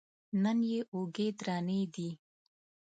نن یې اوږې درنې دي.